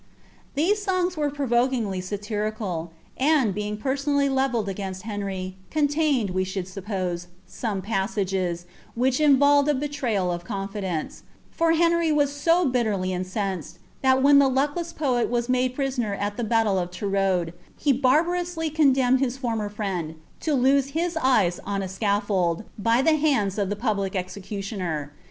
These songs were prorokingly satirical ; and, being personally lenl led against Henry, contained, we should suppose, some passages, wlueh involved a betrayal of confidence ; for Henry was so bitterly ijweoxA that when the luckless poet was made prisoner at the baiUe of TorTMidb he tmrbarously condemned his former friend to lose hia eyes on ■ self fold, by the hands of the public executioner.